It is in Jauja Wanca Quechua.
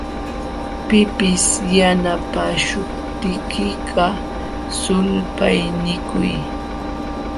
Pipis yanapaśhuptiykiqa, sulpaynikuy.